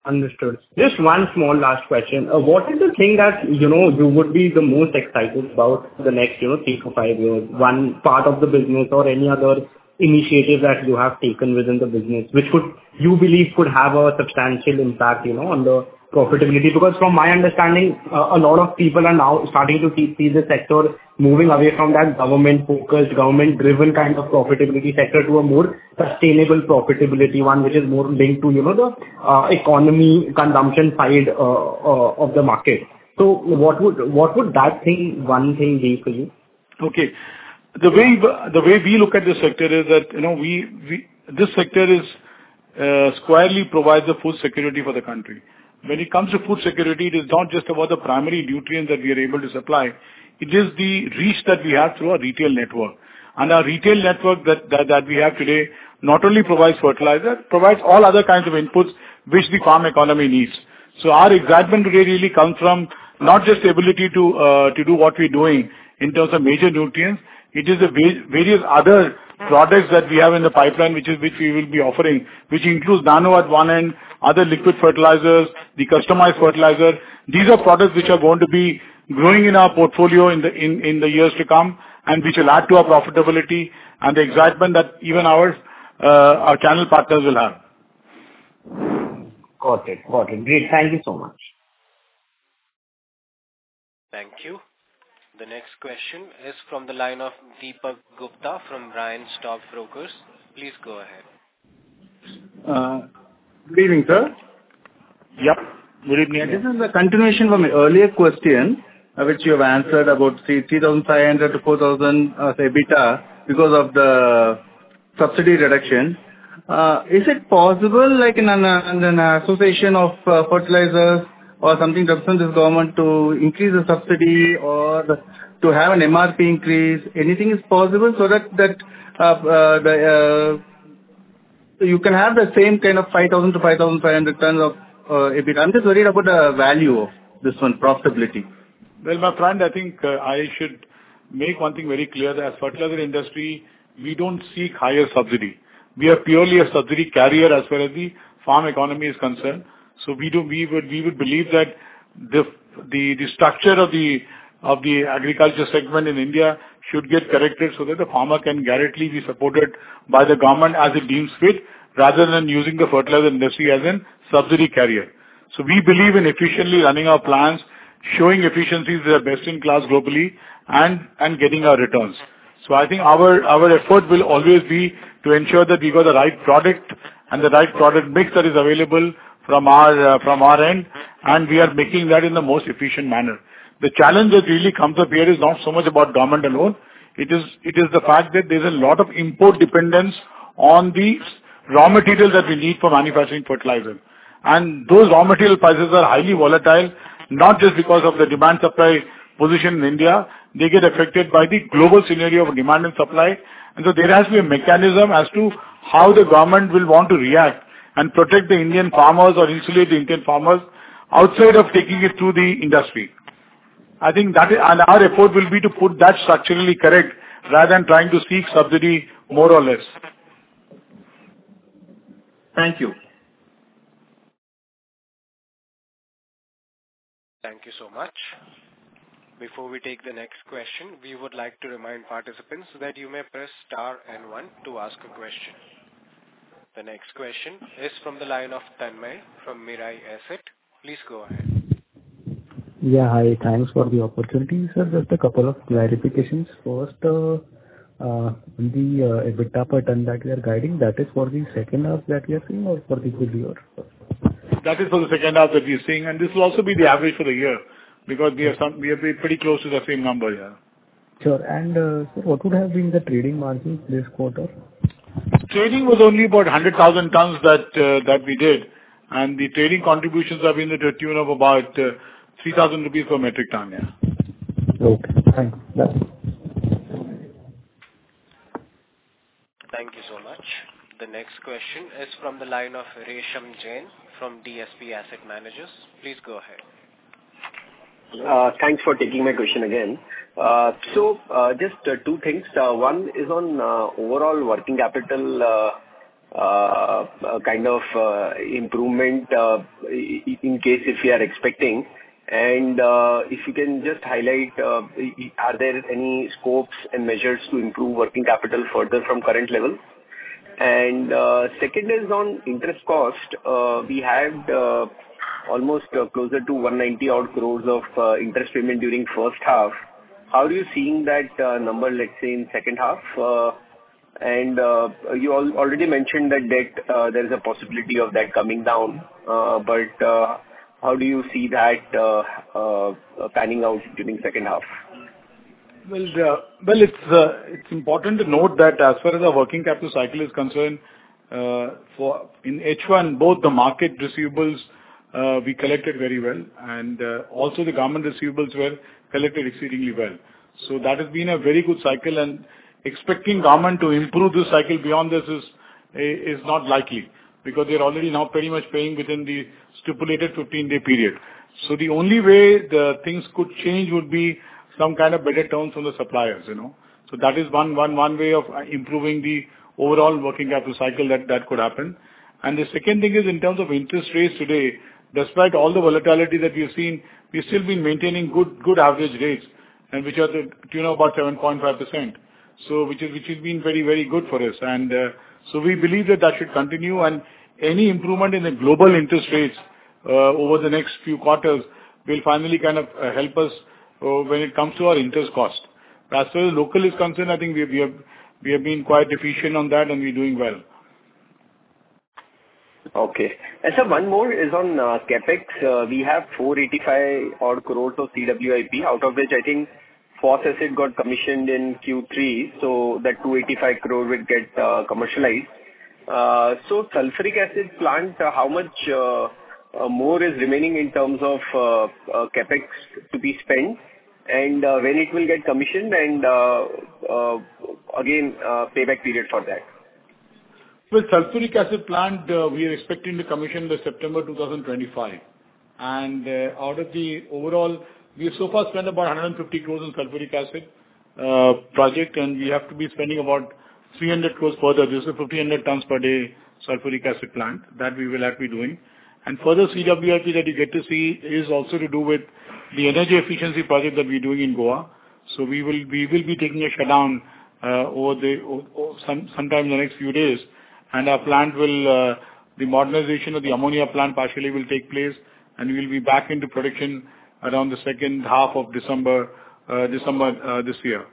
Understood. Just one small last question. What is the thing that, you know, you would be the most excited about the next, you know, three to five years, one part of the business or any other initiative that you have taken within the business, which would you believe could have a substantial impact, you know, on the profitability? Because from my understanding, a lot of people are now starting to see the sector moving away from that government-focused, government-driven kind of profitability sector to a more sustainable profitability, one which is more linked to, you know, the economy, consumption side, of the market. So what would that thing, one thing be for you? Okay. The way we look at this sector is that, you know, this sector is squarely provides the food security for the country. When it comes to food security, it is not just about the primary nutrients that we are able to supply, it is the reach that we have through our retail network. And our retail network that we have today not only provides fertilizer, provides all other kinds of inputs which the farm economy needs. So our excitement really comes from not just the ability to do what we're doing in terms of major nutrients, it is the various other products that we have in the pipeline, which we will be offering, which includes Nanovate at one end, other liquid fertilizers, the customized fertilizer. These are products which are going to be growing in our portfolio in the years to come, and which will add to our profitability and the excitement that even our channel partners will have. Got it. Got it. Great. Thank you so much. Thank you. The next question is from the line of Deepak Gupta from Nayan Stockbrokers. Please go ahead. Good evening, sir. Yep. Good evening. This is a continuation from my earlier question, which you have answered about 3,500-4,000 EBITDA, because of the subsidy reduction. Is it possible, like, in an association of fertilizers or something represents the government to increase the subsidy or to have an MRP increase? Anything is possible so that you can have the same kind of 5,000-5,500 tons of EBITDA. I'm just worried about the value of this one, profitability. Well, my friend, I think, I should make one thing very clear that as fertilizer industry, we don't seek higher subsidy. We are purely a subsidy carrier as far as the farm economy is concerned. So we would believe that the structure of the agriculture segment in India should get corrected so that the farmer can directly be supported by the government as it deems fit, rather than using the fertilizer industry as a subsidy carrier. So we believe in efficiently running our plants, showing efficiencies that are best in class globally, and getting our returns. So I think our effort will always be to ensure that we've got the right product and the right product mix that is available from our end, and we are making that in the most efficient manner. The challenge that really comes up here is not so much about government alone. It is, it is the fact that there's a lot of import dependence on the raw materials that we need for manufacturing fertilizer. Those raw material prices are highly volatile, not just because of the demand-supply position in India. They get affected by the global scenario of demand and supply. So there has to be a mechanism as to how the government will want to react and protect the Indian farmers or insulate the Indian farmers outside of taking it through the industry. I think that is... Our effort will be to put that structurally correct rather than trying to seek subsidy more or less. Thank you. Thank you so much. Before we take the next question, we would like to remind participants that you may press star and one to ask a question. The next question is from the line of Tanmay from Mirae Asset. Please go ahead. Yeah, hi. Thanks for the opportunity, sir. Just a couple of clarifications. First, EBITDA per ton that we are guiding, that is for the second half that we are seeing or for the full year? That is for the second half that we are seeing, and this will also be the average for the year, because we are pretty close to the same number, yeah. Sure. And, sir, what would have been the trading margin this quarter? Trading was only about 100,000 tons that we did, and the trading contributions have been to the tune of about 3,000 rupees per metric ton, yeah. Okay, thank you. Bye. Thank you so much. The next question is from the line of Resham Jain, from DSP Asset Managers. Please go ahead. Thanks for taking my question again. So, just two things. One is on overall working capital,... kind of improvement in case if you are expecting, and if you can just highlight are there any scopes and measures to improve working capital further from current level? And second is on interest cost. We had almost closer to 190 crores of interest payment during first half. How are you seeing that number, let's say, in second half? And you already mentioned that debt, there is a possibility of debt coming down, but how do you see that panning out during second half? Well, well, it's important to note that as far as our working capital cycle is concerned, in H1, both the market receivables, we collected very well, and also the government receivables were collected exceedingly well. So that has been a very good cycle, and expecting government to improve the cycle beyond this is not likely, because they're already now pretty much paying within the stipulated 15-day period. So the only way the things could change would be some kind of better terms from the suppliers, you know. So that is one way of improving the overall working capital cycle that could happen. And the second thing is, in terms of interest rates today, despite all the volatility that we've seen, we've still been maintaining good average rates, and which are, you know, about 7.5%. Which has been very, very good for us. So we believe that that should continue, and any improvement in the global interest rates over the next few quarters will finally kind of help us when it comes to our interest cost. But as far as local is concerned, I think we have been quite efficient on that, and we're doing well. Okay. Sir, one more is on CapEx. We have 485-odd crore of CWIP, out of which I think phos acid got commissioned in Q3, so that 285 crore will get commercialized. So sulfuric acid plant, how much more is remaining in terms of CapEx to be spent, and when it will get commissioned, and again, payback period for that? Well, sulfuric acid plant, we are expecting to commission by September 2025. And, out of the overall, we have so far spent about 150 crore in sulfuric acid project, and we have to be spending about 300 crore further. This is a 1,500 tons per day sulfuric acid plant that we will have to be doing. And further CWIP that you get to see is also to do with the energy efficiency project that we're doing in Goa. So we will be taking a shutdown over the sometime in the next few days, and our plant will the modernization of the ammonia plant partially will take place, and we will be back into production around the second half of December, December, this year.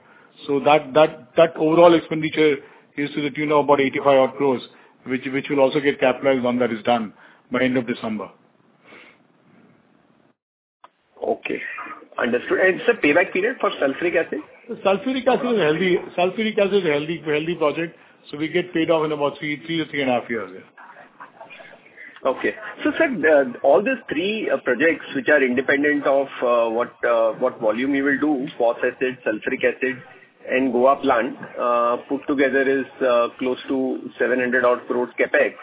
That overall expenditure is to, you know, about 85-odd crore, which will also get capitalized when that is done by end of December. Okay, understood. Sir, payback period for Sulfuric Acid? Sulfuric Acid is healthy. Sulfuric Acid is a healthy, healthy project, so we get paid off in about 3, 3 or 3.5 years, yeah. Okay. So, sir, all these three projects which are independent of, what, what volume you will do, phos acid, sulfuric acid, and Goa plant, put together is, close to 700-odd crore CapEx.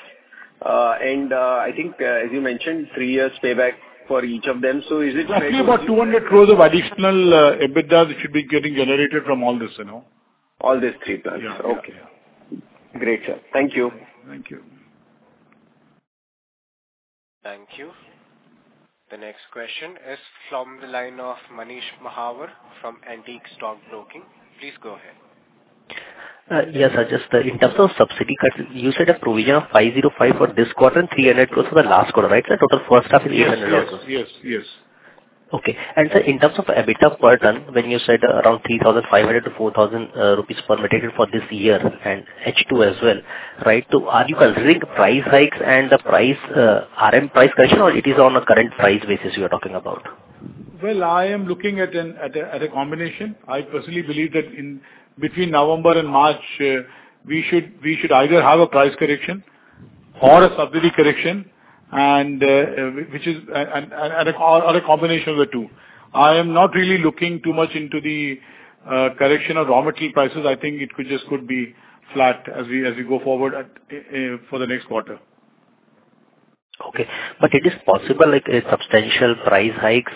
And, I think, as you mentioned, three years payback for each of them. So is it? Exactly about 200 crore of additional EBITDA should be getting generated from all this, you know. All these three plants. Yeah. Okay. Great, sir. Thank you. Thank you. Thank you. The next question is from the line of Manish Mahawar from Antique Stock Broking. Please go ahead. Yes, I just, in terms of subsidy cuts, you said a provision of 505 crore for this quarter and 300 crore for the last quarter, right, sir? Total first half is 800 crore. Yes, yes, yes. Okay. And, sir, in terms of EBITDA per ton, when you said around 3,500-4,000 rupees per metric for this year and H2 as well, right? So are you considering price hikes and the price, RM price correction, or it is on a current price basis you are talking about? Well, I am looking at a combination. I personally believe that in between November and March, we should either have a price correction or a subsidy correction, and or a combination of the two. I am not really looking too much into the correction of raw material prices. I think it could just be flat as we go forward for the next quarter. Okay. But it is possible, like, a substantial price hikes,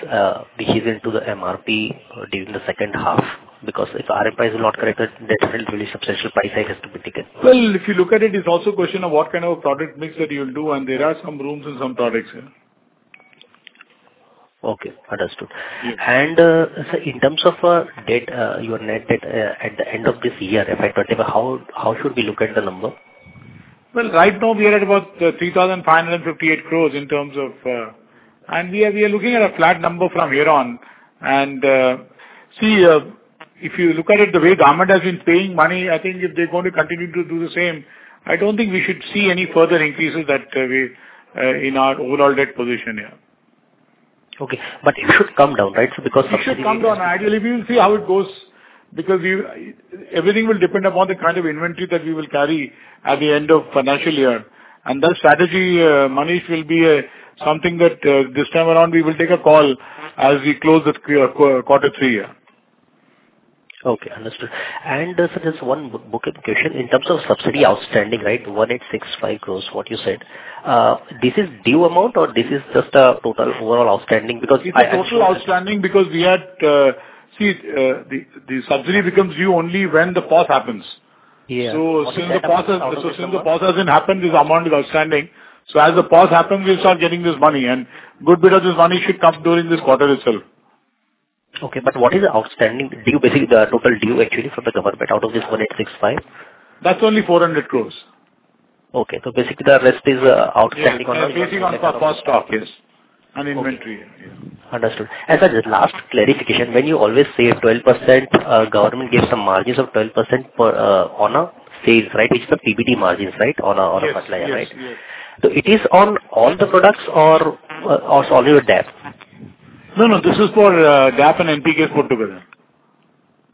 this into the MRP during the second half, because if RM price is not corrected, there isn't really substantial price hike has to be taken. Well, if you look at it, it's also a question of what kind of a product mix that you'll do, and there are some rooms in some products. Okay, understood. Yes. Sir, in terms of debt, your net debt at the end of this year, if I'm correct, how should we look at the number? Well, right now we are at about 3,558 crore in terms of... We are, we are looking at a flat number from here on. See, if you look at it, the way government has been paying money, I think if they're going to continue to do the same, I don't think we should see any further increases that way in our overall debt position, yeah. Okay. But it should come down, right? So because- It should come down. Ideally, we will see how it goes, because everything will depend upon the kind of inventory that we will carry at the end of financial year. And that strategy, Manish, will be something that this time around, we will take a call as we close the quarter three, yeah. Okay, understood. And, sir, just one quick clarificatio. In terms of subsidy outstanding, right, 1,865 crore, what you said, this is due amount, or this is just a total overall outstanding? Because I- It's a total outstanding, because we had. See, the subsidy becomes due only when the POS happens. Yeah. So since the POS hasn't happened, this amount is outstanding. So as the POS happens, we'll start getting this money, and good bit of this money should come during this quarter itself. Okay, but what is the outstanding due, basically, the total due actually from the government out of this 1,865? That's only 400 crore. Okay, so basically, the rest is outstanding on- Based on for stock, yes, and inventory. Understood. Sir, just last clarification, when you always say 12%, government gives some margins of 12% return on sales, right? Which is the PBT margins, right, on a, on a- Yes. -right? Yes. It is on all the products or only with DAP? No, no, this is for DAP and NPK put together.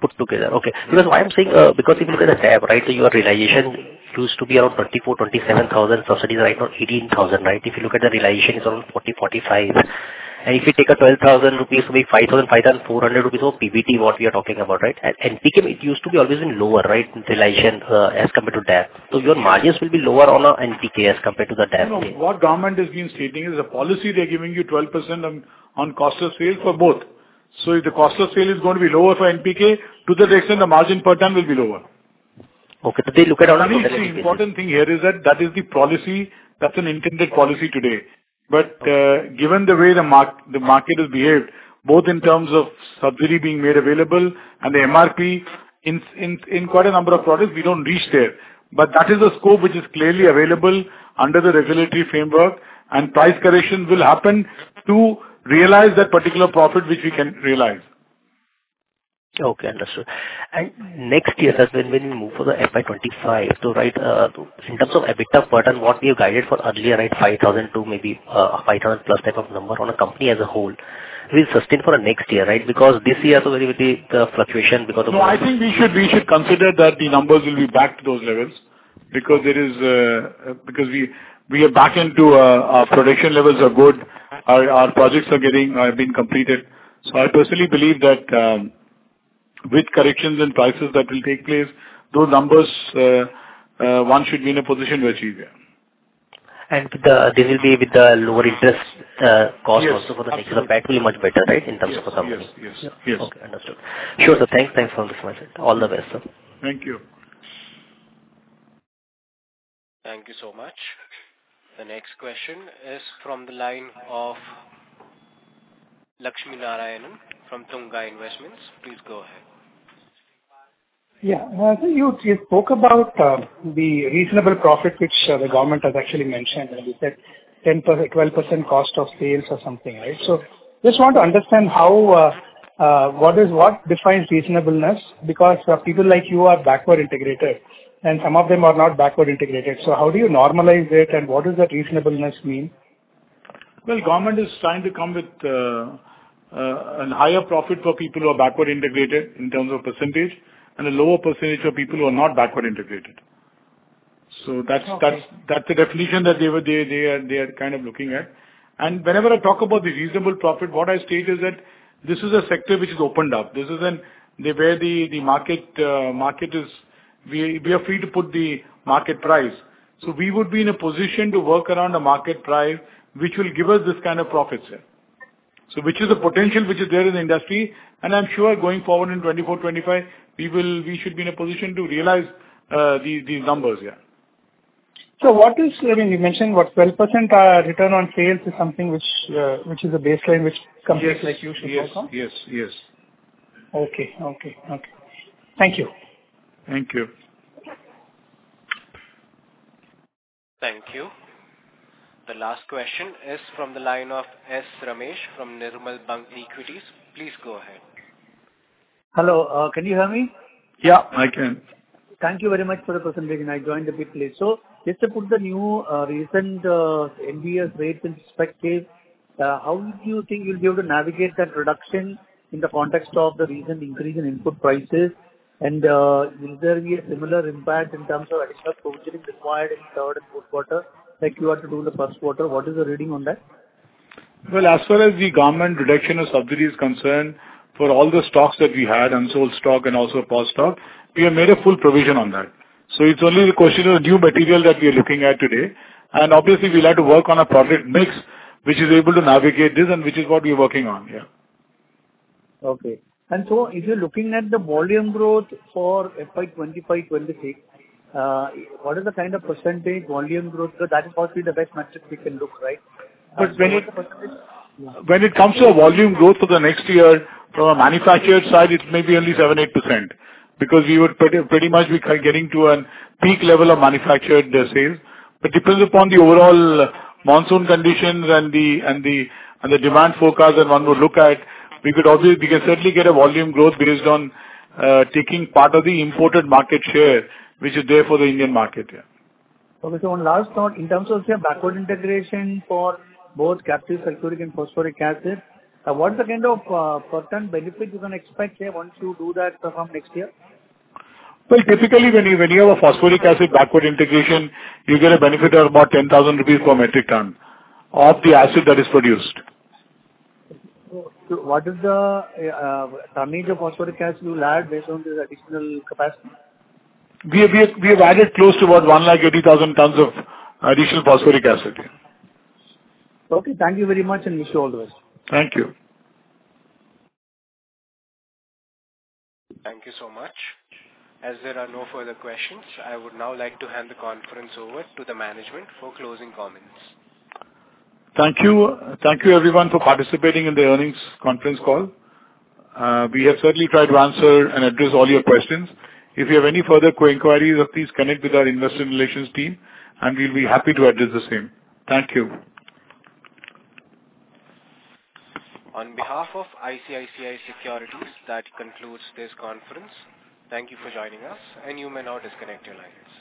Put together, okay. Because I'm saying, because if you look at the DAP, right, so your realization used to be around 24-27 thousand subsidies, right, now 18,000, right? If you look at the realization, it's around 40-45. And if you take 12,000 rupees to be 5,000, 5,400 rupees of PBT, what we are talking about, right? And NPK, it used to be always been lower, right, realization, as compared to DAP. So your margins will be lower on a NPK as compared to the DAP. No, what government has been stating is the policy they're giving you 12% on, on cost of sales for both. So if the cost of sale is going to be lower for NPK, to that extent, the margin per ton will be lower. Okay, but they look at our- The important thing here is that, that is the policy, that's an intended policy today. But, given the way the market has behaved, both in terms of subsidy being made available and the MRP, in quite a number of products, we don't reach there. But that is the scope which is clearly available under the regulatory framework, and price corrections will happen to realize that particular profit which we can realize. Okay, understood. Next year, sir, when you move for the FY 2025, so right, in terms of EBITDA per ton, what we have guided for earlier, right, 5,000 to maybe 500+ type of number on a company as a whole, will it sustain for the next year, right? Because this year also there will be the fluctuation because of- No, I think we should, we should consider that the numbers will be back to those levels because there is a, because we, we are back into our production levels are good, our, our projects are getting been completed. So I personally believe that with corrections and prices that will take place, those numbers one should be in a position to achieve them. And this will be with the lower interest cost also- Yes. For the next year, that will be much better, right? Yes. In terms of the company. Yes, yes. Yes. Okay, understood. Sure, sir, thanks, thanks for this message. All the best, sir. Thank you. Thank you so much. The next question is from the line of Lakshmi Narayanan from Tunga Investments. Please go ahead. Yeah. I think you, you spoke about, the reasonable profit, which, the government has actually mentioned, and you said 10%, 12% cost of sales or something, right? So just want to understand how, what is, what defines reasonableness, because people like you are backward integrated, and some of them are not backward integrated. So how do you normalize it, and what does that reasonableness mean? Well, government is trying to come with a higher profit for people who are backward integrated in terms of percentage and a lower percentage of people who are not backward integrated. Okay. So that's the definition that they are kind of looking at. And whenever I talk about the reasonable profit, what I state is that this is a sector which is opened up. This is an... where the market, market is, we are free to put the market price. So we would be in a position to work around the market price, which will give us this kind of profits here. So which is a potential which is there in the industry, and I'm sure going forward in 2024, 2025, we should be in a position to realize the numbers, yeah. So what is, I mean, you mentioned what, 12% return on sales is something which is a baseline which companies like you should work on? Yes. Yes, yes. Okay. Okay. Okay. Thank you. Thank you. Thank you. The last question is from the line of S. Ramesh from Nirmal Bang Equities. Please go ahead. Hello, can you hear me? Yeah, I can. Thank you very much for the presentation. I joined a bit late. So just to put the new, recent, NBS rates in perspective, how do you think you'll be able to navigate that reduction in the context of the recent increase in input prices? And, will there be a similar impact in terms of additional subsidies required in third and fourth quarter, like you had to do in the first quarter? What is your reading on that? Well, as far as the government reduction of subsidy is concerned, for all the stocks that we had, unsold stock and also POS stock, we have made a full provision on that. So it's only a question of new material that we are looking at today. And obviously, we'll have to work on a product mix, which is able to navigate this and which is what we are working on, yeah. Okay. And so if you're looking at the volume growth for FY 2025, 2026, what is the kind of percentage volume growth? So that is probably the best metric we can look, right? But when it- Yeah. When it comes to volume growth for the next year, from a manufacturer side, it may be only 7%-8%, because we would pretty, pretty much be getting to a peak level of manufactured sales. But depends upon the overall monsoon conditions and the demand forecast that one would look at, we could obviously, we can certainly get a volume growth based on taking part of the imported market share, which is there for the Indian market, yeah. Okay, so one last note. In terms of say, backward integration for both sulfuric and phosphoric acid, what's the kind of percent benefit you can expect here once you do that from next year? Well, typically, when you have a Phosphoric Acid backward integration, you get a benefit of about 10,000 rupees per metric ton of the acid that is produced. So, what is the tonnage of phosphoric acid you'll add based on this additional capacity? We have added close to about 180,000 tons of additional Phosphoric Acid. Okay, thank you very much, and wish you all the best. Thank you. Thank you so much. As there are no further questions, I would now like to hand the conference over to the management for closing comments. Thank you. Thank you, everyone, for participating in the earnings conference call. We have certainly tried to answer and address all your questions. If you have any further inquiries, please connect with our investor relations team, and we'll be happy to address the same. Thank you. On behalf of ICICI Securities, that concludes this conference. Thank you for joining us, and you may now disconnect your lines.